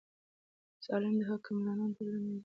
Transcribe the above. ظالم حکمرانان تل له منځه ځي.